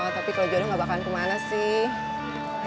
tapi kalau jodoh gak bakalan kemana sih